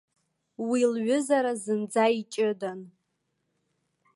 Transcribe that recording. Уи лҩызара зынӡа иҷыдан.